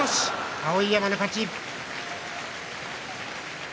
碧山の勝ち。